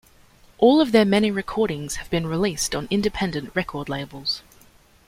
All of their many recordings have been released on independent record labels.